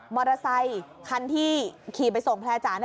อเตอร์ไซคันที่ขี่ไปส่งแพร่จ๋า